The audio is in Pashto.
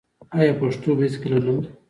آیا پښتو به هیڅکله نه مري؟